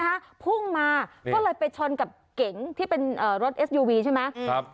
พุ่งมาก็เลยไปชนกับเก๋งที่เป็นเอ่อรถเอสยูวีใช่ไหมครับ